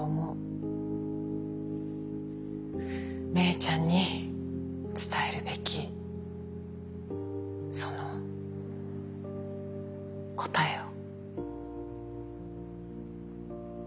芽依ちゃんに伝えるべきその答えを。